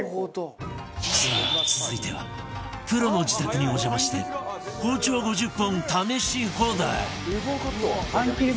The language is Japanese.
さあ続いてはプロの自宅にお邪魔して包丁５０本試し放題！